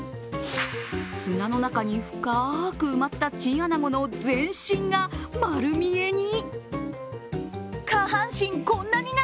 砂の中に深く埋まったチンアナゴの全身が丸見えに。